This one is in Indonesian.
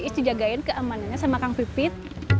is dijagain keamanannya sama kang pipit